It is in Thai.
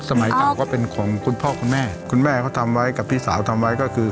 เก่าก็เป็นของคุณพ่อคุณแม่คุณแม่เขาทำไว้กับพี่สาวทำไว้ก็คือ